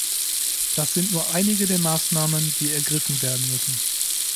Das sind nur einige der Maßnahmen, die ergriffen werden müssen.